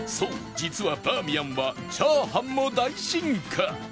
実はバーミヤンはチャーハンも大進化！